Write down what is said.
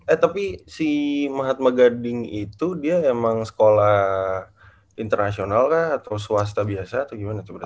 eh tapi si mahatma gading itu dia emang sekolah internasional atau swasta biasa atau gimana tuh berarti